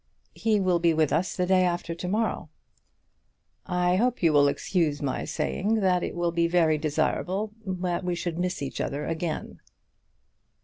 "He will be with us the day after to morrow." "I hope you will excuse my saying that it will be very desirable that we should miss each other again."